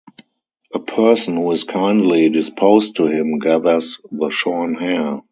A person who is kindly disposed to him gathers the shorn hair.